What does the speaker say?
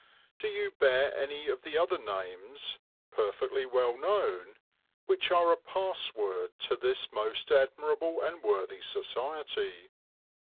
Do you bear any of the other names, perfectly well known, which are a password to this most admirable and worthy society?